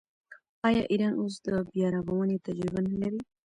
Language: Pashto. آیا ایران اوس د بیارغونې تجربه نلري؟